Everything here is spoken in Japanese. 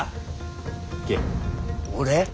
俺？